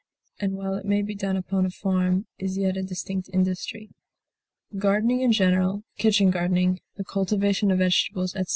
and while it may be done upon a farm is yet a distinct industry. Gardening in general, kitchen gardening, the cultivation of vegetables, etc.